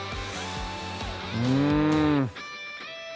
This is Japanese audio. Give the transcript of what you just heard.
うん